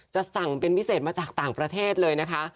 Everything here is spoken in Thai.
จะสั่งเป็นพิเศษมาจากต่างประเทศเลยนะคะ